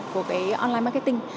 của cái online marketing